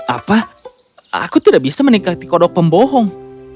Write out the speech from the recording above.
apa aku tidak bisa menikah di kodok pembohong